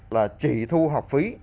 là chỉ thu học phí